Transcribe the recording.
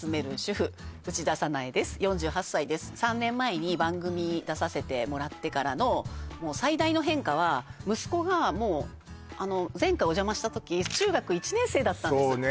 ３年前に番組出させてもらってからの最大の変化は息子がもう前回お邪魔した時中学１年生だったんですそうね